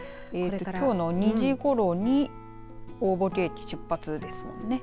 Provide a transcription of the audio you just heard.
きょうの２時ごろに大歩危駅、出発ですもんね。